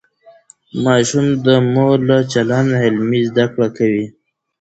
ماشوم د مور له چلند عملي زده کړه کوي.